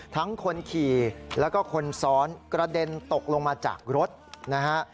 ทั้งคนขี่แล้วก็คนซ้อนกระเด็นตกลงมาจากรถนะฮะ